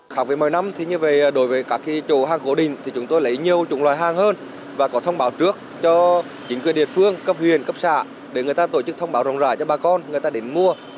khác với mỗi năm đối với các chỗ hàng gỗ đình chúng tôi lấy nhiều loại hàng hơn và có thông báo trước cho chính quyền địa phương cấp huyện cấp xã để người ta tổ chức thông báo rộng rãi cho ba con người ta đến mua